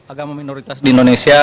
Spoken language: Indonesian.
agama minoritas di indonesia